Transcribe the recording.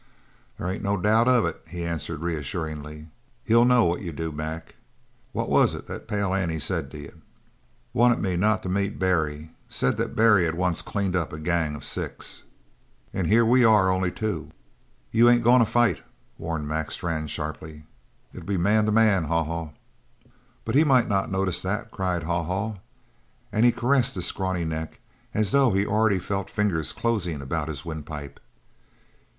"They ain't any doubt of it," he said reassuringly. "He'll know what you do, Mac. What was it that Pale Annie said to you?" "Wanted me not to meet Barry. Said that Barry had once cleaned up a gang of six." "And here we are only two." "You ain't to fight!" warned Mac Strann sharply. "It'll be man to man, Haw Haw." "But he might not notice that," cried Haw Haw, and he caressed his scrawny neck as though he already felt fingers closing about his windpipe.